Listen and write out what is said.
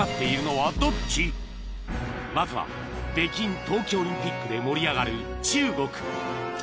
［まずは北京冬季オリンピックで盛り上がる中国］